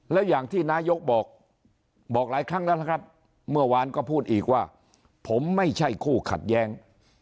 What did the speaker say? แล้วอย่างที่นายกบอกหลายครั้งแล้วนะครับเมื่อวานก็พูดอีกว่าผมไม่ใช่คู่ขัดแย้ง